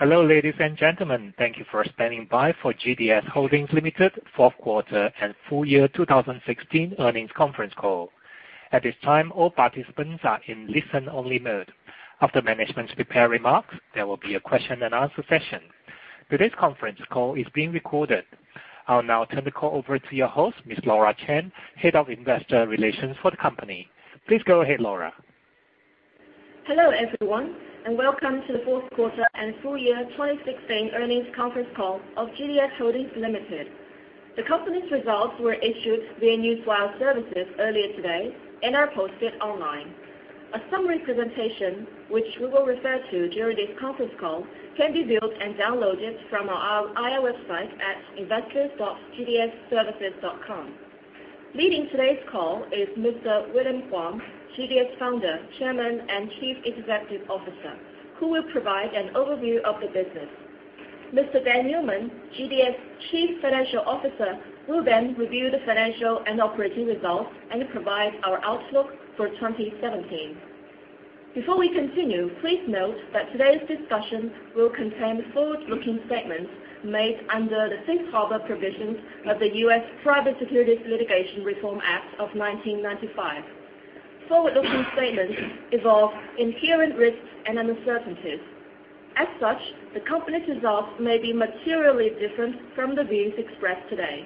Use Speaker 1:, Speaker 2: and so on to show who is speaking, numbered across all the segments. Speaker 1: Hello, ladies and gentlemen. Thank you for standing by for GDS Holdings Limited Fourth Quarter and Full Year 2016 earnings conference call. At this time, all participants are in listen-only mode. After management's prepared remarks, there will be a question and answer session. Today's conference call is being recorded. I'll now turn the call over to your host, Ms. Laura Chen, Head of Investor Relations for the company. Please go ahead, Laura.
Speaker 2: Hello, everyone. Welcome to the fourth quarter and full year 2016 earnings conference call of GDS Holdings Limited. The company's results were issued via Newswire services earlier today and are posted online. A summary presentation, which we will refer to during this conference call, can be viewed and downloaded from our IR website at investors.gds-services.com. Leading today's call is Mr. William Huang, GDS Founder, Chairman, and Chief Executive Officer, who will provide an overview of the business. Mr. Daniel Newman, GDS Chief Financial Officer, will then review the financial and operating results and provide our outlook for 2017. Before we continue, please note that today's discussion will contain forward-looking statements made under the safe harbor provisions of the U.S. Private Securities Litigation Reform Act of 1995. Forward-looking statements involve inherent risks and uncertainties. As such, the company's results may be materially different from the views expressed today.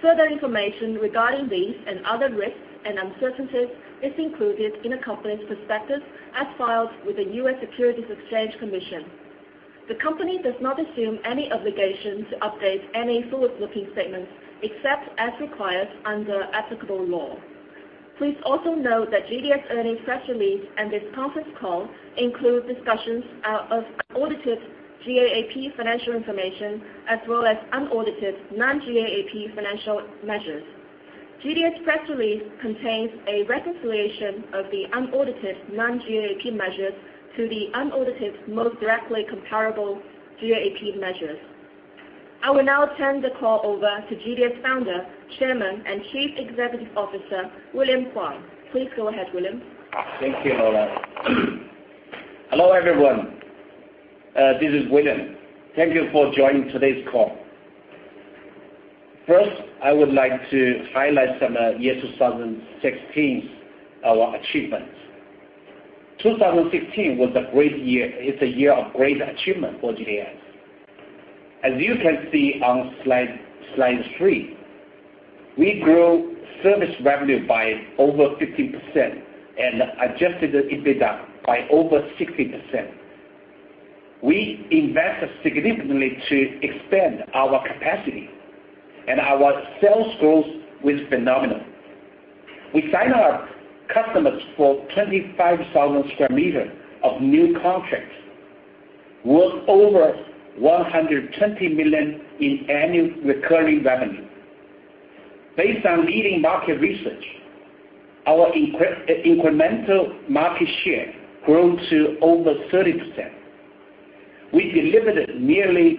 Speaker 2: Further information regarding these and other risks and uncertainties is included in the company's prospectus as filed with the U.S. Securities and Exchange Commission. The company does not assume any obligation to update any forward-looking statements, except as required under applicable law. Please also note that GDS earnings press release and this conference call include discussions of audited GAAP financial information, as well as unaudited non-GAAP financial measures. GDS press release contains a reconciliation of the unaudited non-GAAP measures to the unaudited most directly comparable GAAP measures. I will now turn the call over to GDS Founder, Chairman, and Chief Executive Officer, William Huang. Please go ahead, William.
Speaker 3: Thank you, Laura. Hello, everyone. This is William. Thank you for joining today's call. First, I would like to highlight some year 2016 achievements. 2016 was a great year. It's a year of great achievement for GDS. As you can see on slide three, we grew service revenue by over 50% and adjusted EBITDA by over 60%. We invested significantly to expand our capacity, and our sales growth was phenomenal. We signed our customers for 25,000 sq m of new contracts worth over 120 million in annual recurring revenue. Based on leading market research, our incremental market share grew to over 30%. We delivered nearly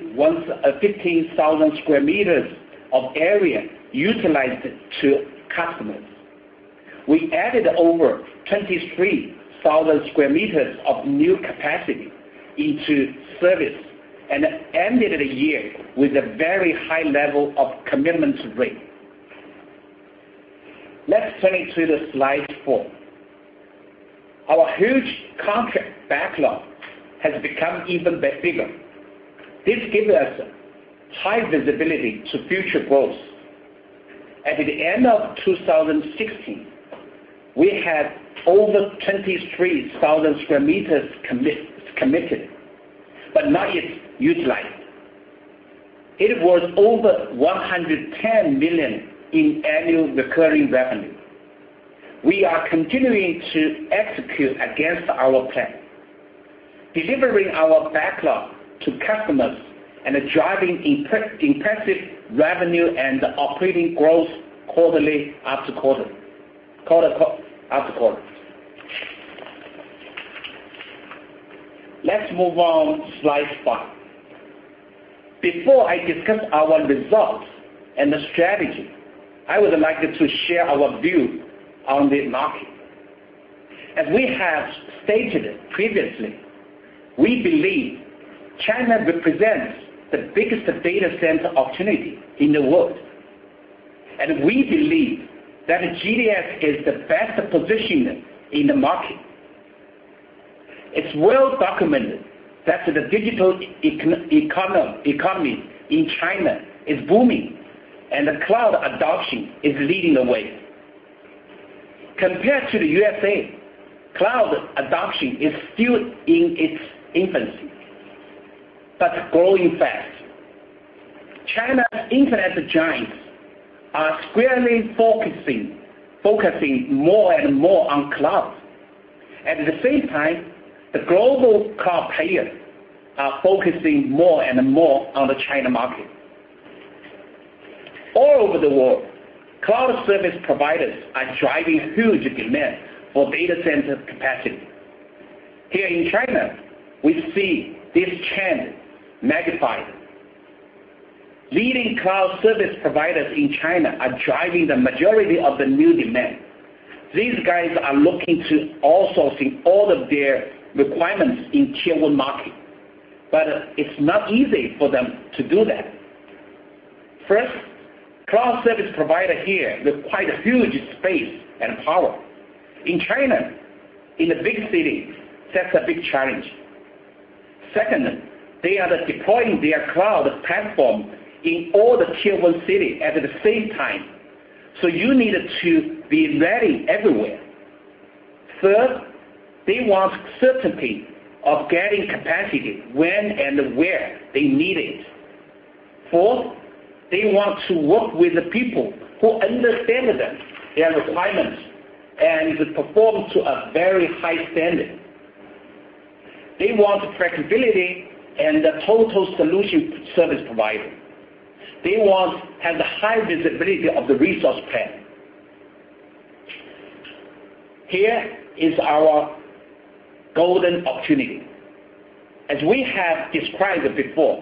Speaker 3: 15,000 sq m of area utilized to customers. We added over 23,000 sq m of new capacity into service and ended the year with a very high level of commitment rate. Let's turn it to slide four. Our huge contract backlog has become even bigger. This gives us high visibility to future growth. At the end of 2016, we had over 23,000 sq m committed, but not yet utilized. It was over 110 million in annual recurring revenue. We are continuing to execute against our plan, delivering our backlog to customers and driving impressive revenue and operating growth quarterly after quarterly. Let's move on to slide five. Before I discuss our results and the strategy, I would like to share our view on the market. As we have stated previously, we believe China represents the biggest data center opportunity in the world, and we believe that GDS is the best positioned in the market. It's well documented that the digital economy in China is booming, and cloud adoption is leading the way. Compared to the U.S., cloud adoption is still in its infancy, but growing fast. China's internet giants are squarely focusing more and more on cloud. At the same time, the global cloud players are focusing more and more on the China market. All over the world, cloud service providers are driving huge demand for data center capacity. Here in China, we see this trend magnified. Leading cloud service providers in China are driving the majority of the new demand. These guys are looking to also see all of their requirements in Tier 1 market. It's not easy for them to do that. First, cloud service provider here with quite a huge space and power. In China, in the big cities, that's a big challenge. Second, they are deploying their cloud platform in all the Tier 1 city at the same time. You need to be ready everywhere. Third, they want certainty of getting capacity when and where they need it. Fourth, they want to work with the people who understand them, their requirements, and perform to a very high standard. They want flexibility and the total solution service provider. They want have the high visibility of the resource plan. Here is our golden opportunity. As we have described before,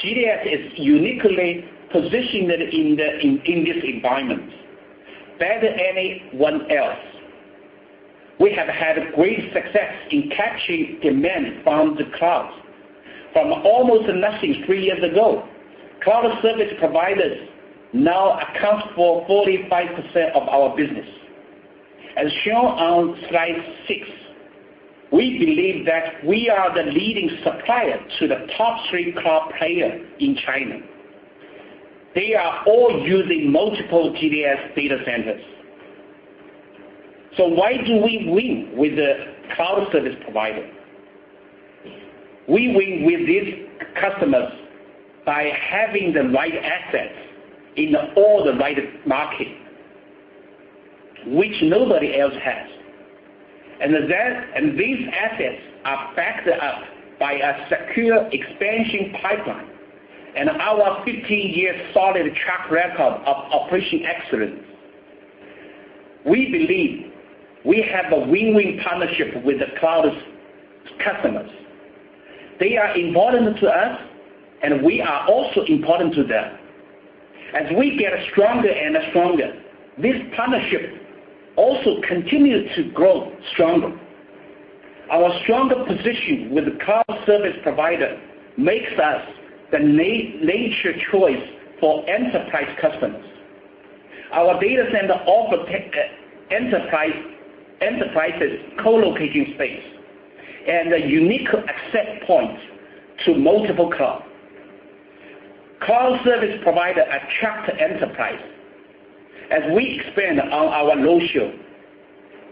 Speaker 3: GDS is uniquely positioned in this environment better than anyone else. We have had great success in capturing demand from the cloud. From almost nothing three years ago, cloud service providers now account for 45% of our business. As shown on slide six, we believe that we are the leading supplier to the top three cloud players in China. They are all using multiple GDS data centers. Why do we win with the cloud service provider? We win with these customers by having the right assets in all the right markets, which nobody else has. These assets are backed up by a secure expansion pipeline and our 15-year solid track record of operation excellence. We believe we have a win-win partnership with the cloud's customers. They are important to us, and we are also important to them. As we get stronger and stronger, this partnership also continues to grow stronger. Our stronger position with the cloud service provider makes us the nature choice for enterprise customers. Our data center offer enterprises co-locating space and a unique access point to multiple cloud. Cloud service provider attract enterprise. As we expand on our ratio,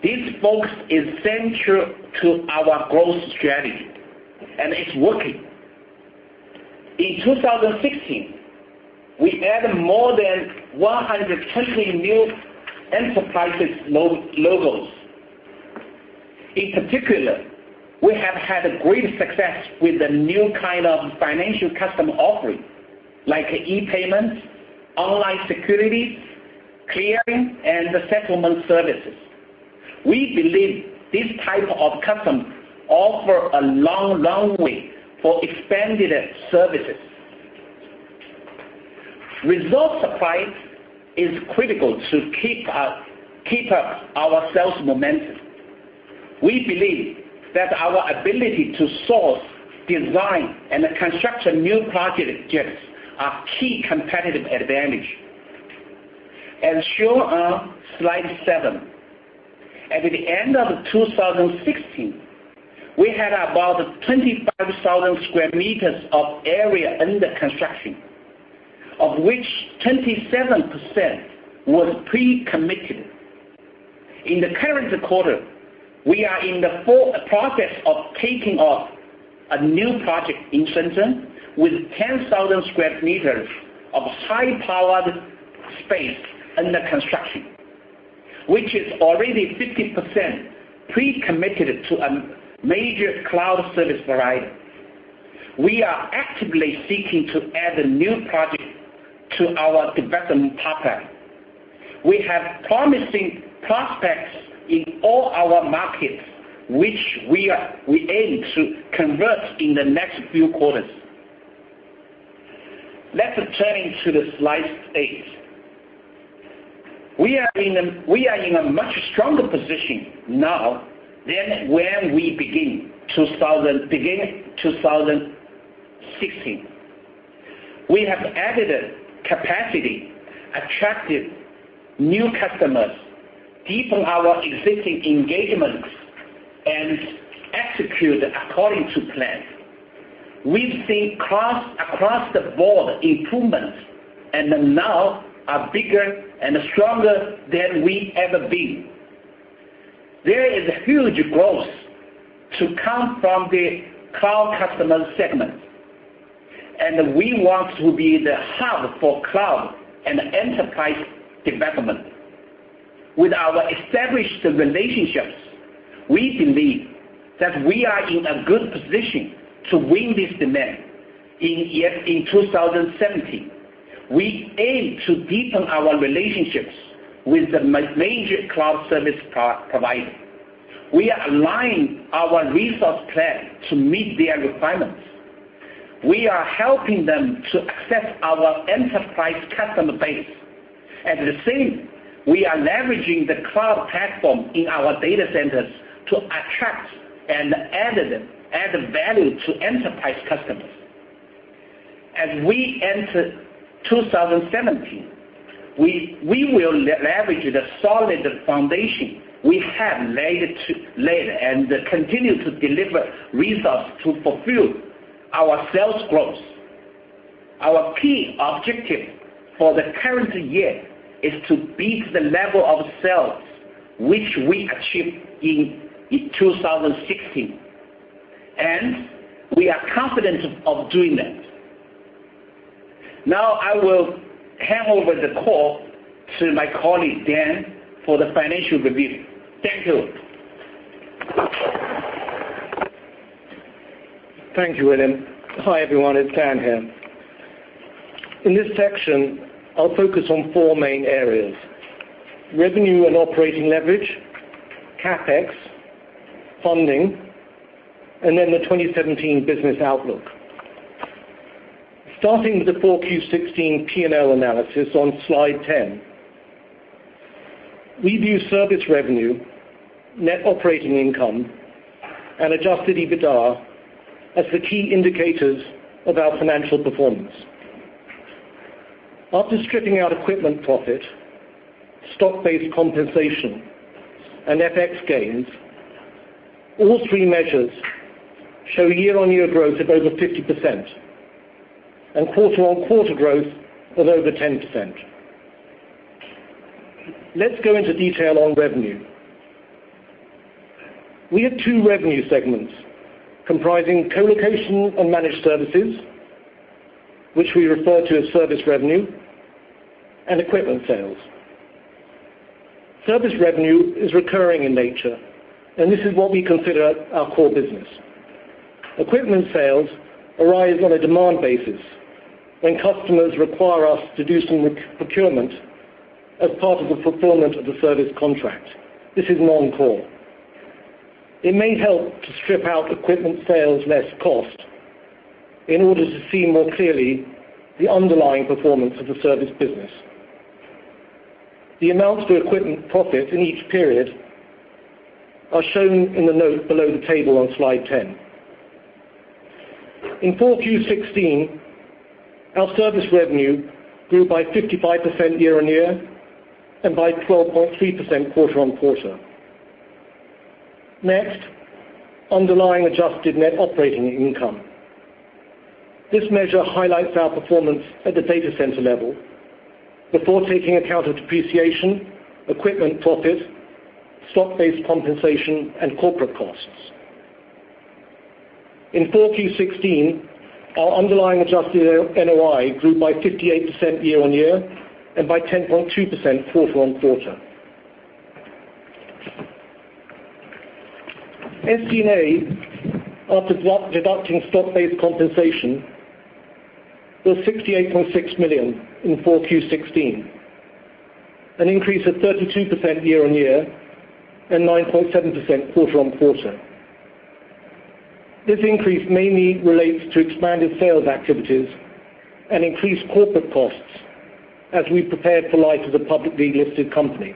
Speaker 3: this focus is central to our growth strategy, and it's working. In 2016, we added more than 120 new enterprises logos. In particular, we have had great success with the new kind of financial customer offering, like e-payment, online securities, clearing, and the settlement services. We believe this type of customer offer a long way for expanded services. Resource supply is critical to keep up our sales momentum. We believe that our ability to source, design, and construct new project tiers are key competitive advantage. As shown on slide seven. At the end of 2016, we had about 25,000 sq m of area under construction, of which 27% was pre-committed. In the current quarter, we are in the process of kicking off a new project in Shenzhen with 10,000 sq m of high-powered space under construction, which is already 50% pre-committed to a major cloud service provider. We are actively seeking to add a new project to our development pipeline. We have promising prospects in all our markets, which we aim to convert in the next few quarters. Let us turn to the slide eight. We are in a much stronger position now than when we began 2016. We have added capacity, attracted new customers, deepened our existing engagements, and executed according to plan. We've seen across-the-board improvements and now are bigger and stronger than we've ever been. There is huge growth to come from the cloud customer segment, and we want to be the hub for cloud and enterprise development. With our established relationships, we believe that we are in a good position to win this demand in 2017. We aim to deepen our relationships with the major cloud service providers. We are aligning our resource plan to meet their requirements. We are helping them to access our enterprise customer base. At the same, we are leveraging the cloud platform in our data centers to attract and add value to enterprise customers. As we enter 2017, we will leverage the solid foundation we have laid and continue to deliver resources to fulfill our sales growth. Our key objective for the current year is to beat the level of sales which we achieved in 2016, and we are confident of doing that. Now, I will hand over the call to my colleague, Dan, for the financial review. Thank you.
Speaker 4: Thank you, William. Hi, everyone. It's Dan here. In this section, I'll focus on four main areas. Revenue and operating leverage, CapEx, funding, and then the 2017 business outlook. Starting with the 4Q 2016 P&L analysis on slide 10. We view service revenue, net operating income, and adjusted EBITDA as the key indicators of our financial performance. After stripping out equipment profit, stock-based compensation, and FX gains, all three measures show year-on-year growth of over 50% and quarter-on-quarter growth of over 10%. Let's go into detail on revenue. We have two revenue segments comprising colocation and managed services, which we refer to as service revenue, and equipment sales. Service revenue is recurring in nature, and this is what we consider our core business. Equipment sales arise on a demand basis when customers require us to do some procurement as part of the fulfillment of the service contract. This is non-core. It may help to strip out equipment sales less cost in order to see more clearly the underlying performance of the service business. The amounts to equipment profit in each period are shown in the note below the table on slide 10. In 4Q 2016, our service revenue grew by 55% year-on-year and by 12.3% quarter-on-quarter. Next, underlying adjusted net operating income. This measure highlights our performance at the data center level before taking account of depreciation, equipment profit, stock-based compensation, and corporate costs. In 4Q 2016, our underlying adjusted NOI grew by 58% year-on-year and by 10.2% quarter-on-quarter. SG&A, after deducting stock-based compensation, was $68.6 million in 4Q 2016, an increase of 32% year-on-year and 9.7% quarter-on-quarter. This increase mainly relates to expanded sales activities and increased corporate costs as we prepared for life as a publicly listed company.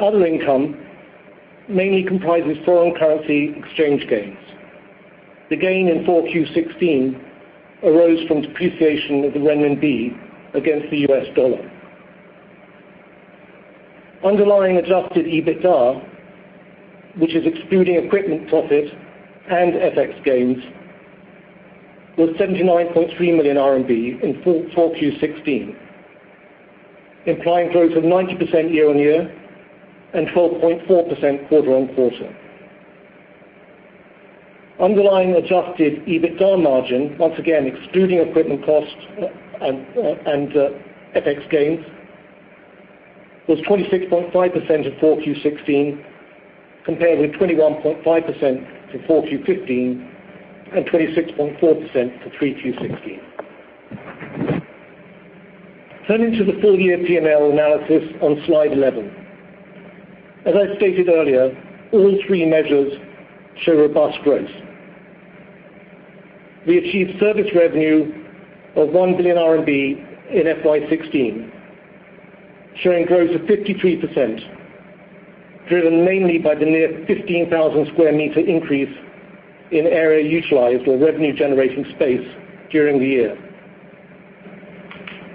Speaker 4: Other income mainly comprises foreign currency exchange gains. The gain in 4Q 2016 arose from depreciation of the renminbi against the US dollar. Underlying adjusted EBITDA, which is excluding equipment profit and FX gains, was RMB 79.3 million in 4Q 2016, implying growth of 90% year-on-year and 12.4% quarter-on-quarter. Underlying adjusted EBITDA margin, once again, excluding equipment cost and FX gains, was 26.5% in 4Q 2016, compared with 21.5% for full Q15 and 26.4% for 3Q16. Turning to the full-year P&L analysis on slide 11. As I stated earlier, all three measures show robust growth. We achieved service revenue of 1 billion RMB in FY16, showing growth of 53%, driven mainly by the near 15,000 sq m increase in area utilized or revenue generating space during the year.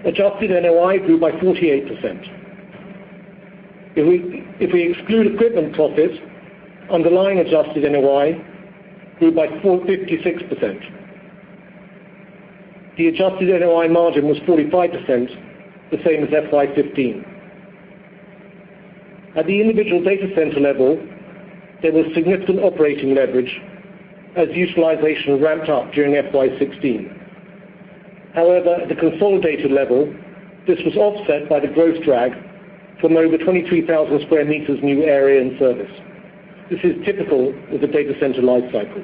Speaker 4: Adjusted NOI grew by 48%. If we exclude equipment profit, underlying adjusted NOI grew by 56%. The adjusted NOI margin was 45%, the same as FY15. At the individual data center level, there was significant operating leverage as utilization ramped up during FY16. However, at the consolidated level, this was offset by the growth drag from over 23,000 sq m new area in service. This is typical with the data center life cycle.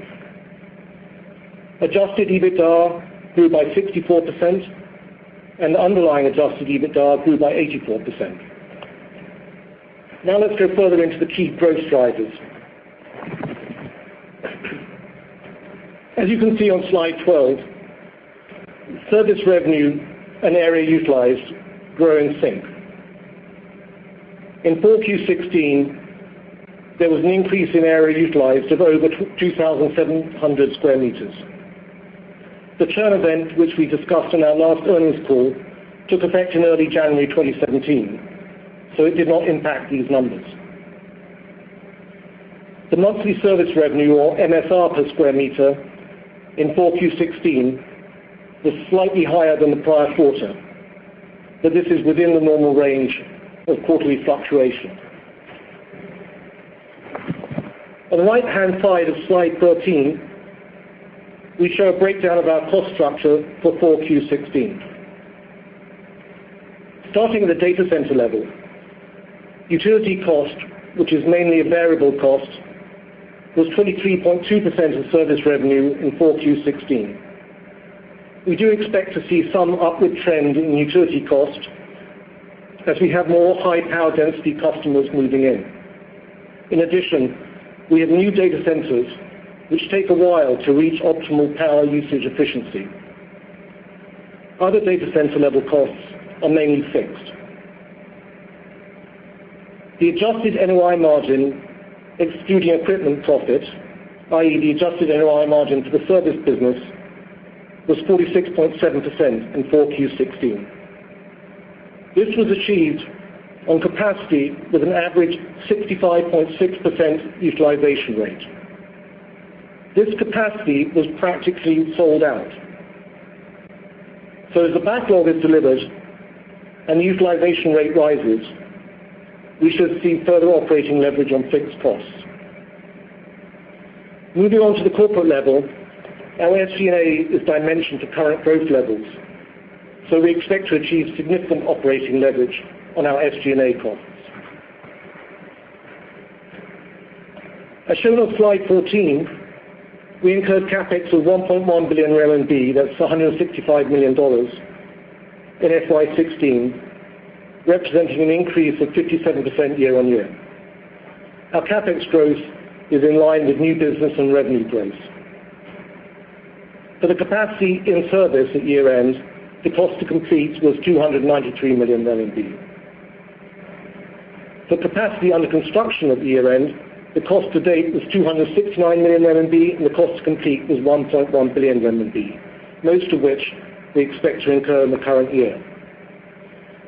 Speaker 4: Adjusted EBITDA grew by 64%, and underlying adjusted EBITDA grew by 84%. Let's go further into the key growth drivers. As you can see on slide 12, service revenue and area utilized grow in sync. In 4Q16, there was an increase in area utilized of over 2,700 sq m. The churn event, which we discussed in our last earnings call, took effect in early January 2017, so it did not impact these numbers. The monthly service revenue, or MSR per sq m, in 4Q16 was slightly higher than the prior quarter, but this is within the normal range of quarterly fluctuation. On the right-hand side of slide 13, we show a breakdown of our cost structure for 4Q16. Starting at the data center level, utility cost, which is mainly a variable cost, was 23.2% of service revenue in 4Q16. We do expect to see some upward trend in utility cost as we have more high power density customers moving in. In addition, we have new data centers which take a while to reach optimal power usage efficiency. Other data center level costs are mainly fixed. The adjusted NOI margin, excluding equipment profit, i.e. the adjusted NOI margin for the service business, was 46.7% in 4Q16. This was achieved on capacity with an average 65.6% utilization rate. This capacity was practically sold out. As the backlog is delivered and the utilization rate rises, we should see further operating leverage on fixed costs. Moving on to the corporate level, our SG&A is dimensioned to current growth levels, so we expect to achieve significant operating leverage on our SG&A costs. As shown on slide 14, we incurred CapEx of 1.1 billion RMB, that's $165 million, in FY16, representing an increase of 57% year-on-year. Our CapEx growth is in line with new business and revenue growth. For the capacity in service at year-end, the cost to complete was 293 million. For capacity under construction at year-end, the cost to date was 269 million RMB, and the cost to complete was 1.1 billion RMB, most of which we expect to incur in the current year.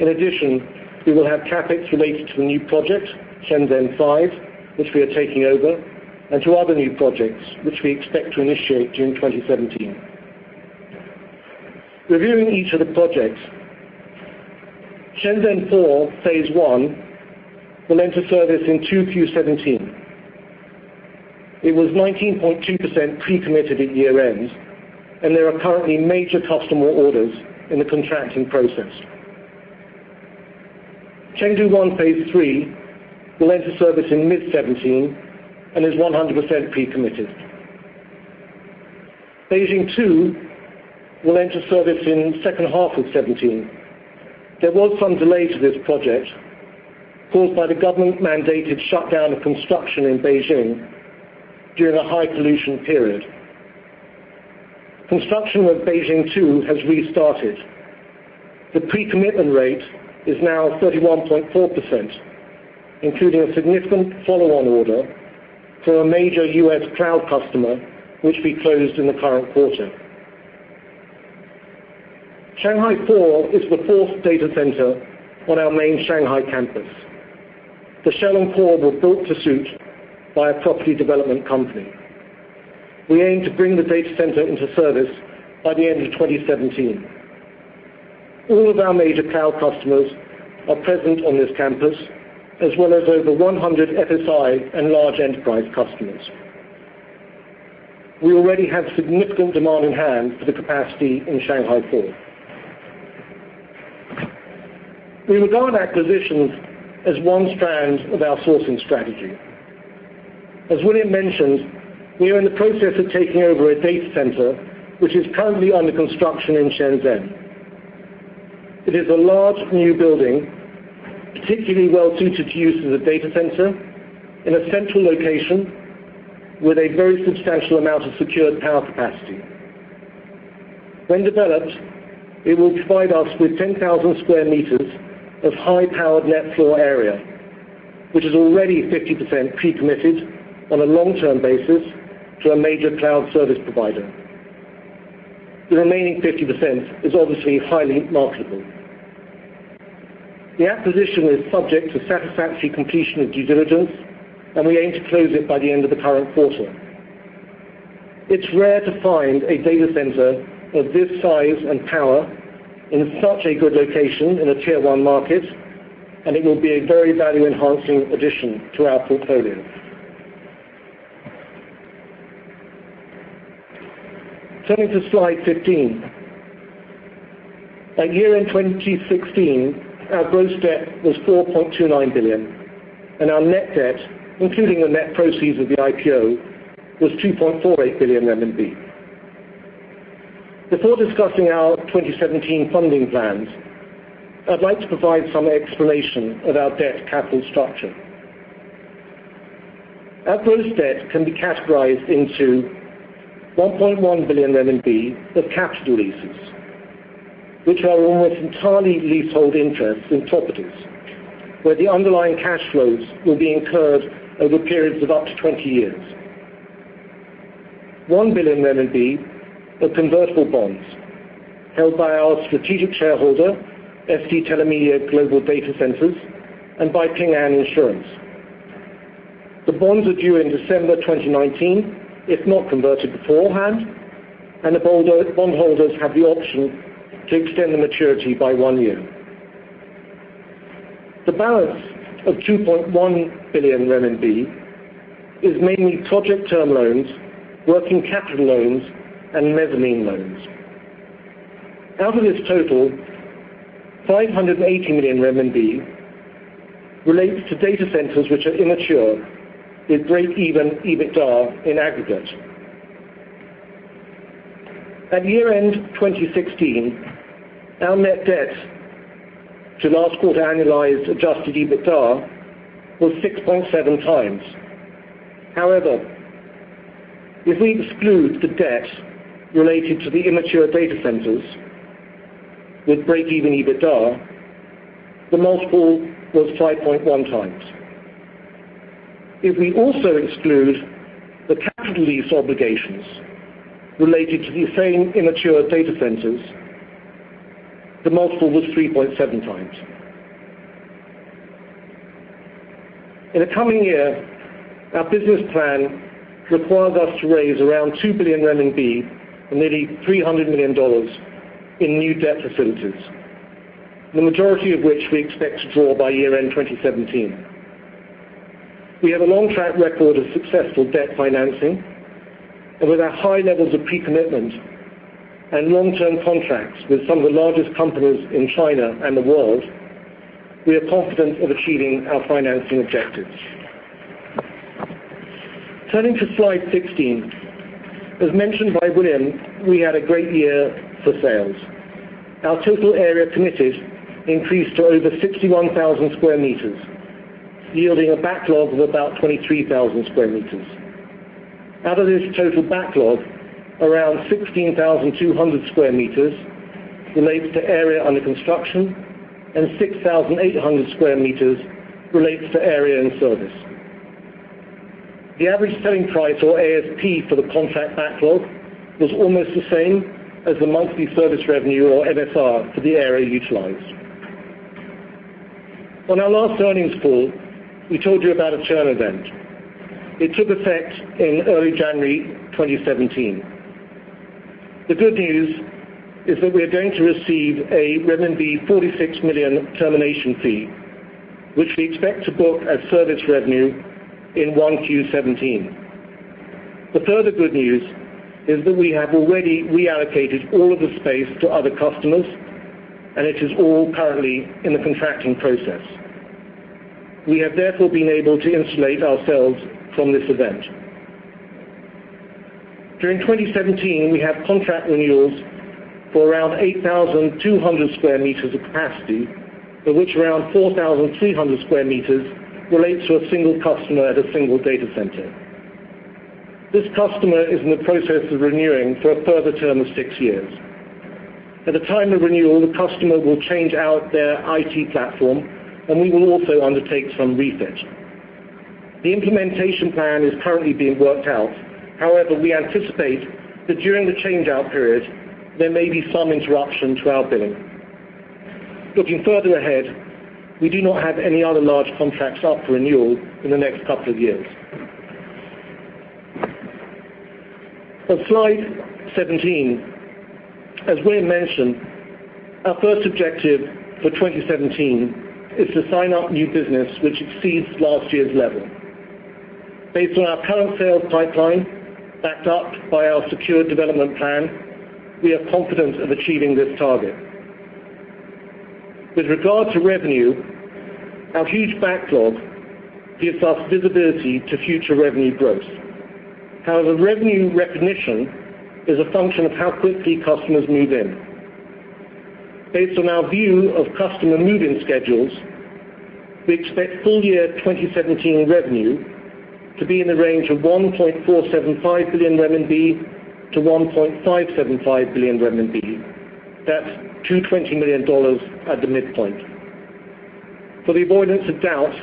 Speaker 4: In addition, we will have CapEx related to the new project, Shenzhen 5, which we are taking over, and to other new projects which we expect to initiate during 2017. Reviewing each of the projects, Shenzhen Four, phase 1 will enter service in 2Q17. It was 19.2% pre-committed at year-end, and there are currently major customer orders in the contracting process. Chengdu One, phase 3 will enter service in mid 2017 and is 100% pre-committed. Beijing Two will enter service in the second half of 2017. There was some delay to this project caused by the government-mandated shutdown of construction in Beijing during a high pollution period. Construction of Beijing Two has restarted. The pre-commitment rate is now 31.4%, including a significant follow-on order from a major U.S. cloud customer which we closed in the current quarter. Shanghai Four is the fourth data center on our main Shanghai campus. The shell and core were built to suit by a property development company. We aim to bring the data center into service by the end of 2017. All of our major cloud customers are present on this campus, as well as over 100 FSI and large enterprise customers. We already have significant demand in hand for the capacity in Shanghai Four. We regard acquisitions as one strand of our sourcing strategy. As William mentioned, we are in the process of taking over a data center which is currently under construction in Shenzhen. It is a large new building, particularly well suited to use as a data center in a central location with a very substantial amount of secured power capacity. When developed, it will provide us with 10,000 sq m of high-powered net floor area, which is already 50% pre-committed on a long-term basis to a major cloud service provider. The remaining 50% is obviously highly marketable. The acquisition is subject to satisfactory completion of due diligence, and we aim to close it by the end of the current quarter. It's rare to find a data center of this size and power in such a good location in a Tier 1 market, and it will be a very value-enhancing addition to our portfolio. Turning to slide 15. At year-end 2016, our gross debt was 4.29 billion, and our net debt, including the net proceeds of the IPO, was 2.48 billion RMB. Before discussing our 2017 funding plans, I'd like to provide some explanation of our debt capital structure. Our gross debt can be categorized into 1.1 billion RMB of capital leases, which are almost entirely leasehold interests in properties, where the underlying cash flows will be incurred over periods of up to 20 years. 1 billion RMB are convertible bonds held by our strategic shareholder, ST Telemedia Global Data Centres, and by Ping An Insurance. The bonds are due in December 2019 if not converted beforehand, and the bondholders have the option to extend the maturity by one year. The balance of 2.1 billion RMB is mainly project term loans, working capital loans, and mezzanine loans. Out of this total, 580 million renminbi relates to data centers which are immature, with break-even EBITDA in aggregate. At year-end 2016, our net debt to last quarter annualized adjusted EBITDA was 6.7x. However, if we exclude the debt related to the immature data centers with break-even EBITDA, the multiple was 5.1x. If we also exclude the capital lease obligations related to the same immature data centers, the multiple was 3.7x. In the coming year, our business plan requires us to raise around 2 billion renminbi, or nearly $300 million, in new debt facilities, the majority of which we expect to draw by year-end 2017. We have a long track record of successful debt financing, and with our high levels of pre-commitment and long-term contracts with some of the largest companies in China and the world, we are confident of achieving our financing objectives. Turning to slide 16. As mentioned by William, we had a great year for sales. Our total area committed increased to over 61,000 sq m, yielding a backlog of about 23,000 sq m. Out of this total backlog, around 16,200 sq m relates to area under construction, and 6,800 sq m relates to area in service. The average selling price, or ASP, for the contract backlog was almost the same as the monthly service revenue, or MSR, for the area utilized. On our last earnings call, we told you about a churn event. It took effect in early January 2017. The good news is that we are going to receive a renminbi 46 million termination fee, which we expect to book as service revenue in 1Q17. The further good news is that we have already reallocated all of the space to other customers, and it is all currently in the contracting process. We have therefore been able to insulate ourselves from this event. During 2017, we have contract renewals for around 8,200 sq m of capacity, of which around 4,300 sq m relates to a single customer at a single data center. This customer is in the process of renewing for a further term of six years. At the time of renewal, the customer will change out their IT platform, and we will also undertake some refit. The implementation plan is currently being worked out. However, we anticipate that during the change-out period, there may be some interruption to our billing. Looking further ahead, we do not have any other large contracts up for renewal in the next couple of years. On slide 17, as William mentioned, our first objective for 2017 is to sign up new business which exceeds last year's level. Based on our current sales pipeline, backed up by our secured development plan, we are confident of achieving this target. With regard to revenue, our huge backlog gives us visibility to future revenue growth. However, revenue recognition is a function of how quickly customers move in. Based on our view of customer move-in schedules, we expect full year 2017 revenue to be in the range of 1.475 billion-1.575 billion RMB. That's $220 million at the midpoint. For the avoidance of doubt,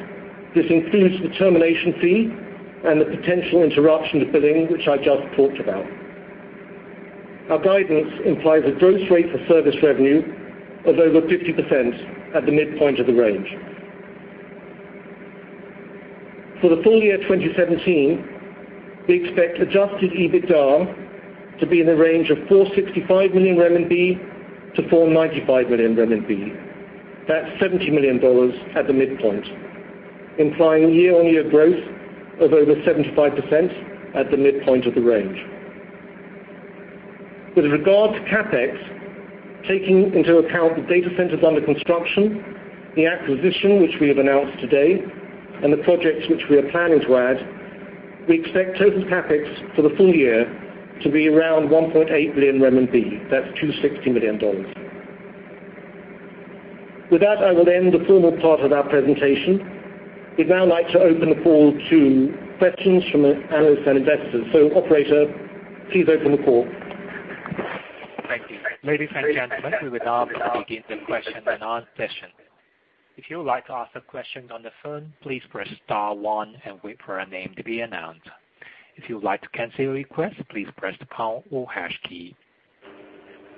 Speaker 4: this includes the termination fee and the potential interruption to billing, which I just talked about. Our guidance implies a growth rate for service revenue of over 50% at the midpoint of the range. For the full year 2017, we expect adjusted EBITDA to be in the range of 465 million-495 million RMB. That's $70 million at the midpoint. Implying year-on-year growth of over 75% at the midpoint of the range. With regard to CapEx, taking into account the data centers under construction, the acquisition which we have announced today, and the projects which we are planning to add, we expect total CapEx for the full year to be around 1.8 billion renminbi. That's $260 million. With that, I will end the formal part of our presentation. We'd now like to open the call to questions from analysts and investors. Operator, please open the call.
Speaker 1: Thank you. Ladies and gentlemen, we will now begin the question and answer session. If you would like to ask a question on the phone, please press star one and wait for a name to be announced. If you would like to cancel your request, please press the pound or hash key.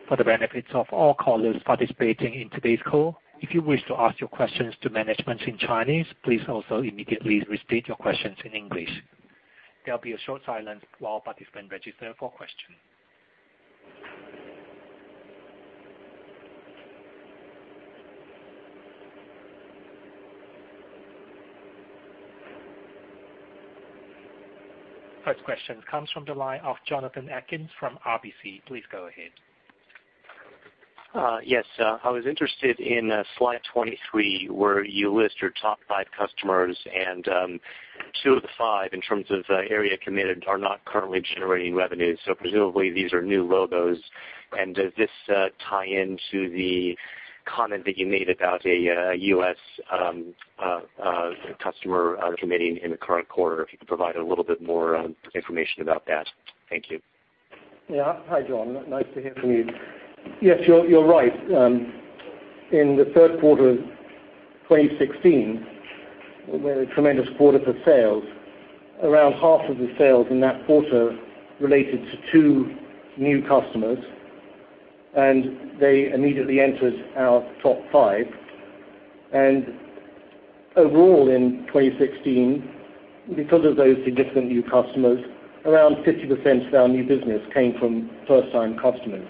Speaker 1: For the benefits of all callers participating in today's call, if you wish to ask your questions to management in Chinese, please also immediately repeat your questions in English. There will be a short silence while participants register for questions. First question comes from the line of Jonathan Atkin from RBC. Please go ahead.
Speaker 5: Yes. I was interested in slide 23, where you list your top five customers and two of the five in terms of area committed are not currently generating revenues. Presumably these are new logos. Does this tie into the comment that you made about a U.S. customer committing in the current quarter? If you could provide a little bit more information about that. Thank you.
Speaker 4: Hi, John. Nice to hear from you. Yes, you're right. In the third quarter of 2016, we had a tremendous quarter for sales. Around half of the sales in that quarter related to two new customers. They immediately entered our top five. Overall in 2016, because of those significant new customers, around 50% of our new business came from first-time customers.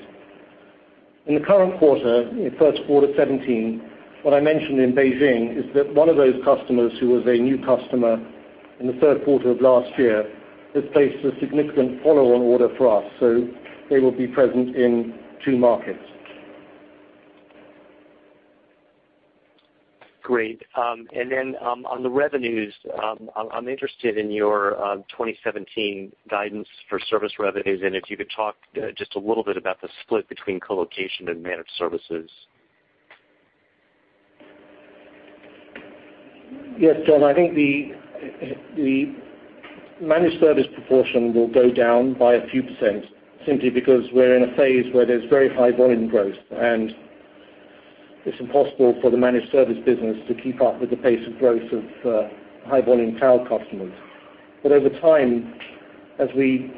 Speaker 4: In the current quarter, first quarter 2017, what I mentioned in Beijing is that one of those customers who was a new customer in the third quarter of last year has placed a significant follow-on order for us, they will be present in two markets.
Speaker 5: Great. Then, on the revenues, I'm interested in your 2017 guidance for service revenues and if you could talk just a little bit about the split between colocation and managed services.
Speaker 4: Yes, John. I think the managed service proportion will go down by a few % simply because we're in a phase where there's very high volume growth, it's impossible for the managed service business to keep up with the pace of growth of high volume cloud customers. Over time, as we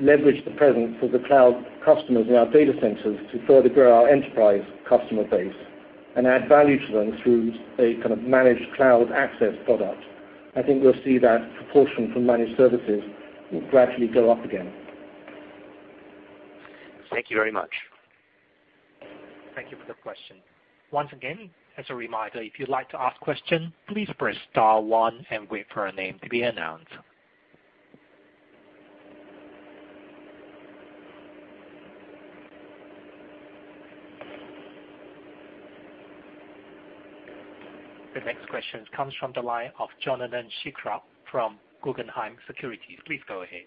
Speaker 4: leverage the presence of the cloud customers in our data centers to further grow our enterprise customer base and add value to them through a kind of managed cloud access product, I think we'll see that proportion from managed services will gradually go up again.
Speaker 5: Thank you very much.
Speaker 1: Thank you for the question. Once again, as a reminder, if you'd like to ask question, please press star one and wait for a name to be announced. The next question comes from the line of Jonathan Schildkraut from Guggenheim Securities. Please go ahead.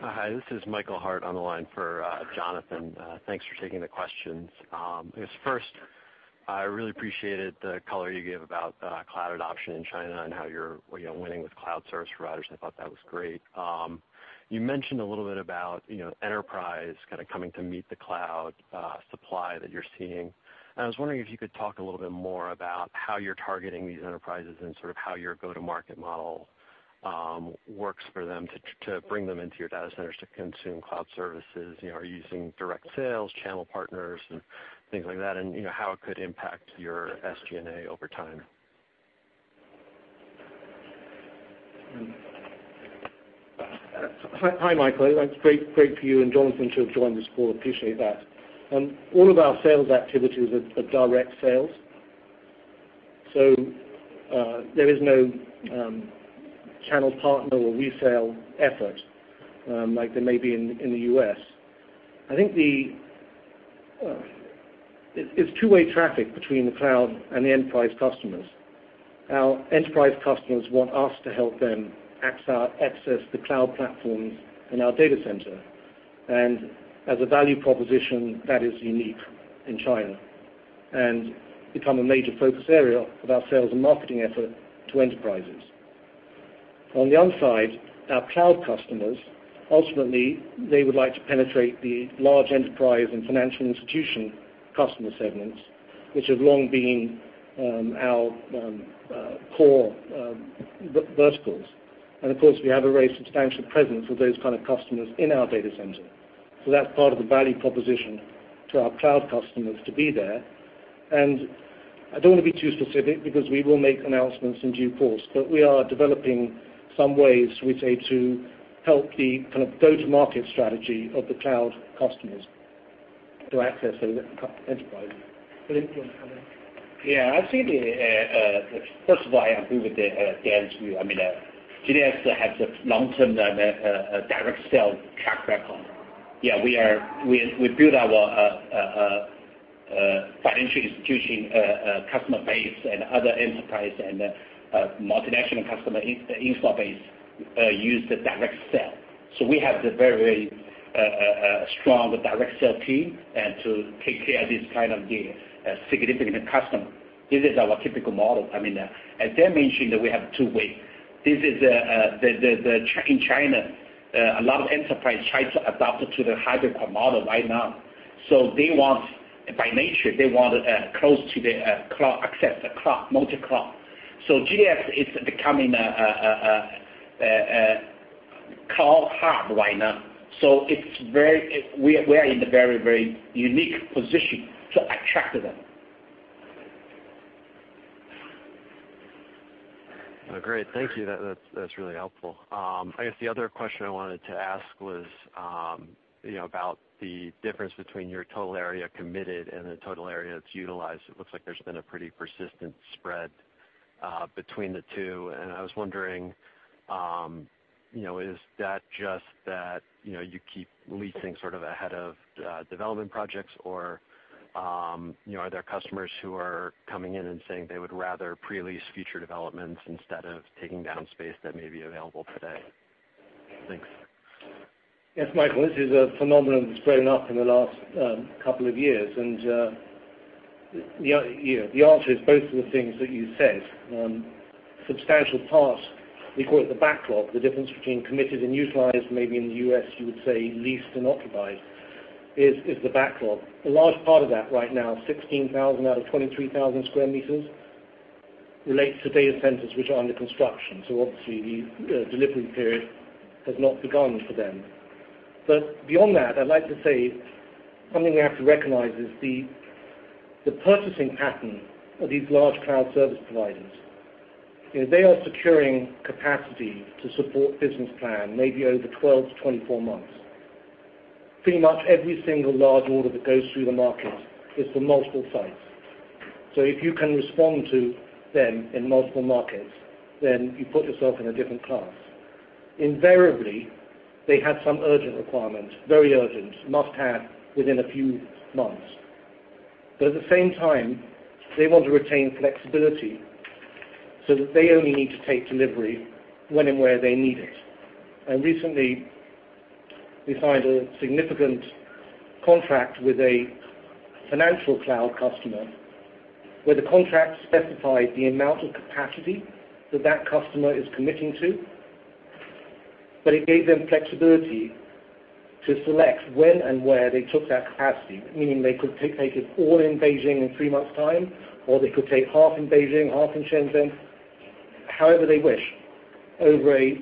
Speaker 6: Hi, this is Michael Hart on the line for Jonathan. Thanks for taking the questions. I guess first, I really appreciated the color you gave about cloud adoption in China and how you're winning with cloud service providers. I thought that was great. You mentioned a little about enterprise coming to meet the cloud supply that you're seeing. I was wondering if you could talk a little more about how you're targeting these enterprises and how your go-to-market model works for them to bring them into your data centers to consume cloud services. Are you using direct sales, channel partners, and things like that? How it could impact your SG&A over time.
Speaker 4: Hi, Michael. It's great for you and Jonathan to have joined this call, appreciate that. All of our sales activities are direct sales. There is no channel partner or resale effort like there may be in the U.S. I think it's two-way traffic between the cloud and the enterprise customers. Our enterprise customers want us to help them access the cloud platforms in our data center. As a value proposition, that is unique in China and become a major focus area of our sales and marketing effort to enterprises. On the other side, our cloud customers, ultimately, they would like to penetrate the large enterprise and financial institution customer segments, which have long been our core verticals. Of course, we have a very substantial presence of those kind of customers in our data center. That's part of the value proposition to our cloud customers to be there. I don't want to be too specific because we will make announcements in due course, but we are developing some ways we say to help the go-to-market strategy of the cloud customers to access the enterprise. William, do you want to comment?
Speaker 3: Yes. First of all, I agree with Dan's view. GDS has a long-term direct sell track record. We build our financial institution customer base and other enterprise and multinational customer install base use the direct sell. We have the very strong direct sell team to take care of this kind of significant customer. This is our typical model. As Dan mentioned, we have two ways. In China, a lot of enterprise tries to adapt to the hybrid model right now. By nature, they want close to the cloud access, the multi-cloud. GDS is becoming a cloud hub right now. We are in a very unique position to attract them.
Speaker 6: Great. Thank you. That's really helpful. I guess the other question I wanted to ask was about the difference between your total area committed and the total area that's utilized. It looks like there's been a pretty persistent spread between the two, I was wondering is that just that you keep leasing ahead of development projects, or are there customers who are coming in and saying they would rather pre-lease future developments instead of taking down space that may be available today? Thanks.
Speaker 4: Yes, Michael, this is a phenomenon that's grown up in the last couple of years, and the answer is both of the things that you said. A substantial part, we call it the backlog, the difference between committed and utilized, maybe in the U.S. you would say leased and occupied, is the backlog. A large part of that right now, 16,000 out of 23,000 sq m, relates to data centers which are under construction, obviously the delivery period has not begun for them. Beyond that, I'd like to say something we have to recognize is the purchasing pattern of these large cloud service providers. They are securing capacity to support business plan, maybe over 12 to 24 months. Pretty much every single large order that goes through the market is for multiple sites. If you can respond to them in multiple markets, then you put yourself in a different class. Invariably, they have some urgent requirement, very urgent, must have within a few months. At the same time, they want to retain flexibility so that they only need to take delivery when and where they need it. Recently, we signed a significant contract with a financial cloud customer where the contract specified the amount of capacity that that customer is committing to, but it gave them flexibility to select when and where they took that capacity, meaning they could take it all in Beijing in three months' time, or they could take half in Beijing, half in Shenzhen, however they wish, over a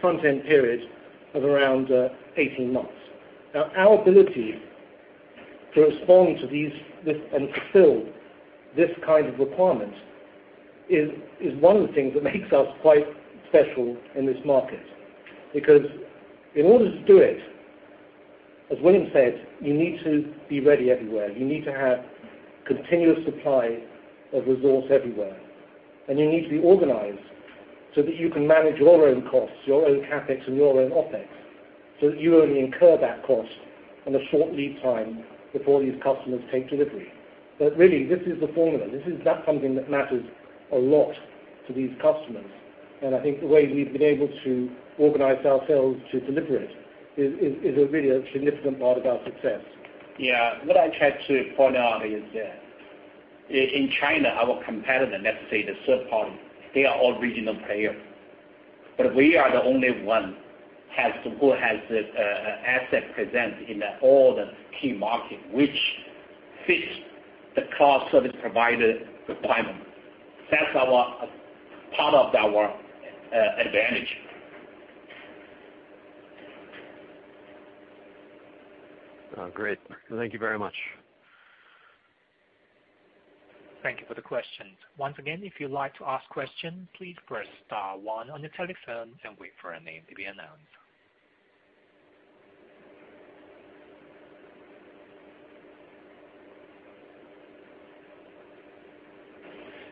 Speaker 4: front-end period of around 18 months. Our ability to respond to this and fulfill this kind of requirement is one of the things that makes us quite special in this market. In order to do it, as William said, you need to be ready everywhere. You need to have continuous supply of resource everywhere, and you need to be organized so that you can manage your own costs, your own CapEx, and your own OpEx, so that you only incur that cost on a short lead time before these customers take delivery. Really, this is the formula. This is something that matters a lot to these customers, and I think the way we've been able to organize ourselves to deliver it is really a significant part of our success.
Speaker 3: Yeah. What I try to point out is that in China, our competitor, let's say the third party, they are all regional players. We are the only one who has the asset present in all the key markets, which fits the cloud service provider requirement. That's part of our advantage.
Speaker 6: Great. Thank you very much.
Speaker 1: Thank you for the question. Once again, if you'd like to ask question, please press star one on your telephone and wait for a name to be announced.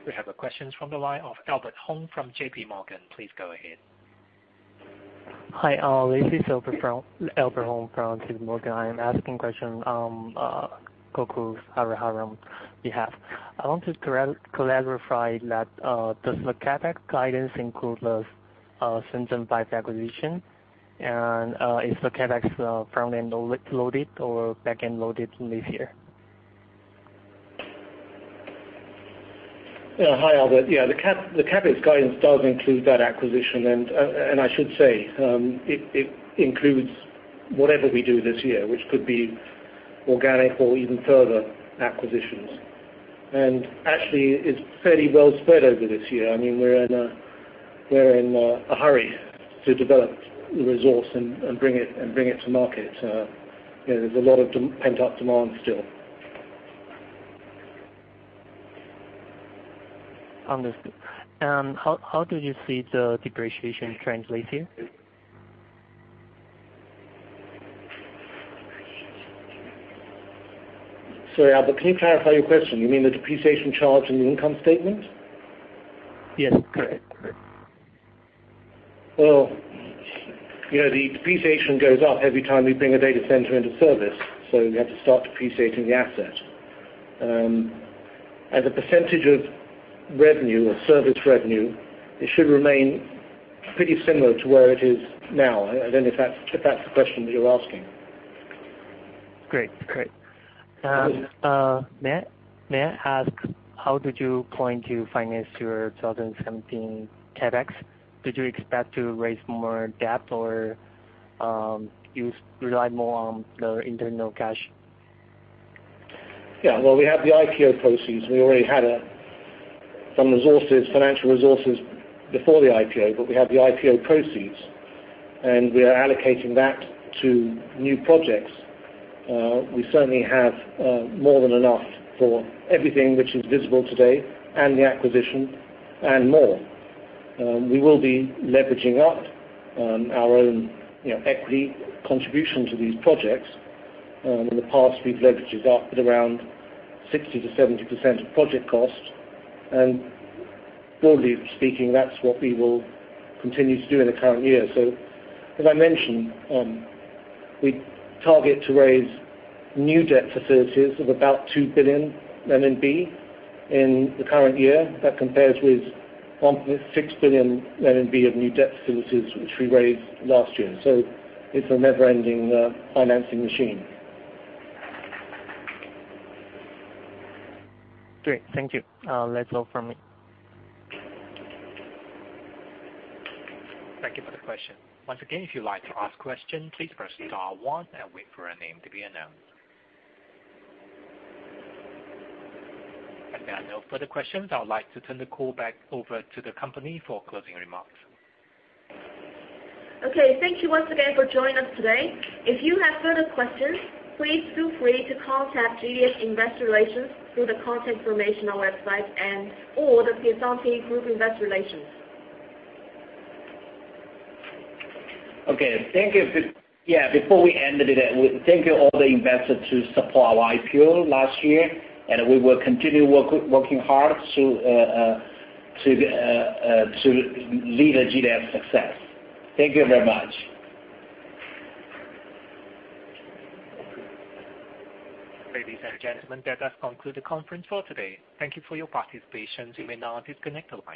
Speaker 1: We have a question from the line of Albert Hung from JPMorgan. Please go ahead.
Speaker 7: Hi. This is Albert Hung from JPMorgan. I am asking question on Gokul Hariharan behalf. I want to clarify that, does the CapEx guidance include the Shenzhen 5 acquisition, and is the CapEx front-end loaded or back-end loaded this year?
Speaker 4: Hi, Albert. Yeah, the CapEx guidance does include that acquisition, and I should say it includes whatever we do this year, which could be organic or even further acquisitions. Actually, it's fairly well spread over this year. We're in a hurry to develop the resource and bring it to market. There's a lot of pent-up demand still
Speaker 7: Understood. How do you see the depreciation translating?
Speaker 4: Sorry, Albert, can you clarify your question? You mean the depreciation charge in the income statement?
Speaker 7: Yes, correct.
Speaker 4: Well, the depreciation goes up every time we bring a data center into service, so we have to start depreciating the asset. As a % of revenue or service revenue, it should remain pretty similar to where it is now. I don't know if that's the question that you're asking.
Speaker 7: Great.
Speaker 4: Yes.
Speaker 7: May I ask, how did you plan to finance your 2017 CapEx? Did you expect to raise more debt, or you rely more on the internal cash?
Speaker 4: Yeah. Well, we have the IPO proceeds. We already had some financial resources before the IPO, but we have the IPO proceeds, and we are allocating that to new projects. We certainly have more than enough for everything which is visible today and the acquisition, and more. We will be leveraging up our own equity contribution to these projects. In the past, we've leveraged up at around 60%-70% of project cost. Broadly speaking, that's what we will continue to do in the current year. As I mentioned, we target to raise new debt facilities of about 2 billion RMB in the current year. That compares with 1.6 billion RMB of new debt facilities, which we raised last year. It's a never-ending financing machine.
Speaker 7: Great. Thank you. That's all from me.
Speaker 1: Thank you for the question. Once again, if you'd like to ask questions, please press star one and wait for your name to be announced. As there are no further questions, I would like to turn the call back over to the company for closing remarks.
Speaker 2: Okay. Thank you once again for joining us today. If you have further questions, please feel free to contact GDS Investor Relations through the contact information on our website and/or The Piacente Group Investor Relations.
Speaker 3: Okay. Thank you. Before we end it, thank you all the investors who support our IPO last year. We will continue working hard to lead GDS' success. Thank you very much.
Speaker 1: Ladies and gentlemen, that does conclude the conference call today. Thank you for your participation. You may now disconnect your lines.